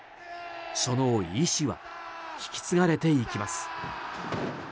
その遺志は引き継がれていきます。